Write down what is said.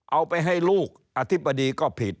เอาไปให้ลูกอธิบดีก็ผิด